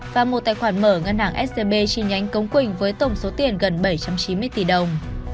và một tài khoản mở ngân hàng scb chi nhánh cống quỳnh với tổng số tiền gần bảy trăm chín mươi tỷ đồng